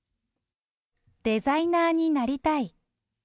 デザイナーになりたい。